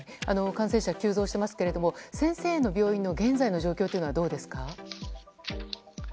感染者急増していますけれども先生の病院の現在の状況はどうですか？